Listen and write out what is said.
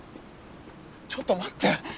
ちょっと待って。